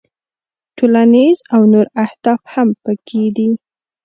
ټولنیز او نور اهداف هم پکې دي.